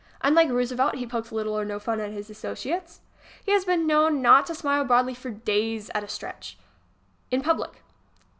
Unlike Roosevelt, he pokes little or no fun at his associates. He has been known not to smile broadly for days at a stretchŌĆö in public.